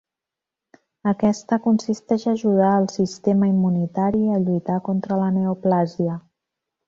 Aquesta consisteix a ajudar al sistema immunitari a lluitar contra la neoplàsia.